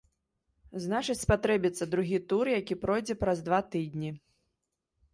Значыць, спатрэбіцца другі тур, які пройдзе праз два тыдні.